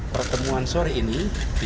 pertemuan sore ini di